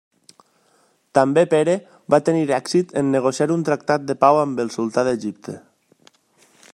També Pere va tenir èxit en negociar un tractat de pau amb el sultà d'Egipte.